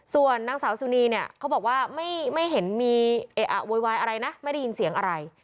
ส่วนนางสาวสุนีเนี่ยเขาบอกว่าไม่เห็นมีเอะอะโวยวายอะไรนะไม่ได้ยินเสียงอะไร